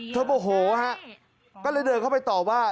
เธอโอ้โห้ฮะก็เลยเดินเข้าไปตอบว่า